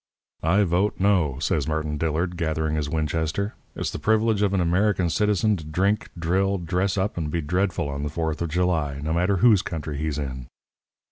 "'I vote No,' says Martin Dillard, gathering his Winchester. 'It's the privilege of an American citizen to drink, drill, dress up, and be dreadful on the Fourth of July, no matter whose country he's in.'